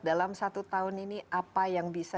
dalam satu tahun ini apa yang bisa